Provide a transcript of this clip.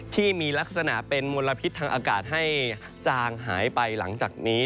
ที่มีลักษณะเป็นมลพิษทางอากาศให้จางหายไปหลังจากนี้